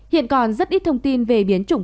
hiện còn rất ít thông tin về biến chủng